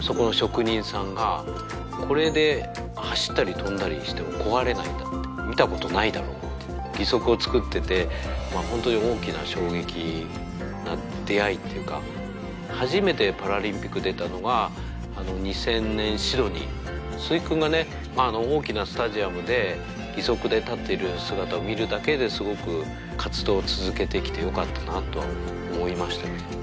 そこの職人さんがこれで走ったりとんだりしても壊れないんだって見たことないだろうって義足を作ってて本当に大きな衝撃な出会いっていうか初めてパラリンピック出たのが２０００年シドニー鈴木君がね大きなスタジアムで義足で立っている姿を見るだけですごく活動を続けてきてよかったなとは思いましたね